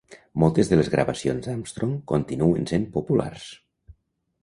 Moltes de les gravacions d'Armstrong continuen sent populars.